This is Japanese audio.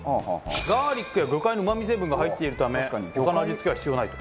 ガーリックや魚介のうま味成分が入っているため他の味付けは必要ないと。